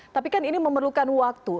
tapi kan ini memerlukan waktu